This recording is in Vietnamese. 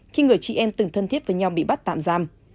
khi người chị em từng thân thiết với nhau bị bắt tạm giam